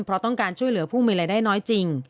เพราะต้องการช่วยเหลือผู้มีรายได้น้อยจริง